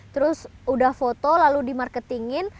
terus udah foto lalu di marketingin